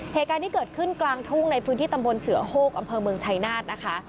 เหตุการณ์ที่เกิดขึ้นกลางทุ่งในพื้นที่ตำบลเสือโฮกอำเภอเมืองชัยนาธนะคะ